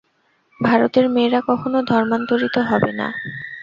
ভারতের মেয়েরা কখনও ধর্মান্তরিত হবে না।